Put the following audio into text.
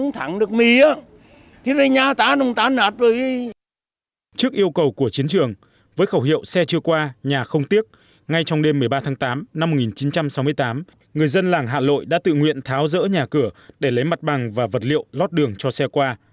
trước yêu cầu của chiến trường với khẩu hiệu xe chưa qua nhà không tiếc ngay trong đêm một mươi ba tháng tám năm một nghìn chín trăm sáu mươi tám người dân làng hạ lội đã tự nguyện tháo rỡ nhà cửa để lấy mặt bằng và vật liệu lót đường cho xe qua